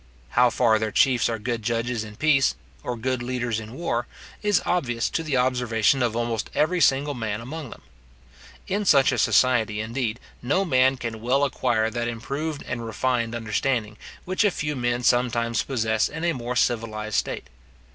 How far their chiefs are good judges in peace, or good leaders in war, is obvious to the observation of almost every single man among them. In such a society, indeed, no man can well acquire that improved and refined understanding which a few men sometimes possess in a more civilized state.